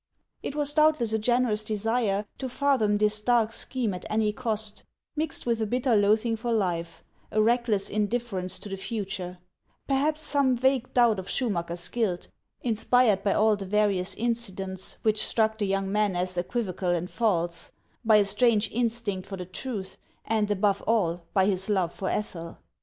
It was doubtless a generous desire to fathom this dark scheme at any cost, mixed with a bitter loathing for life, a reckless indifference to the future ; perhaps some vague doubt of Schumacker's guilt, inspired by all the various incidents which struck the young man as equivo cal and false, by a strange instinct for the truth, and above all by his love for Ethel.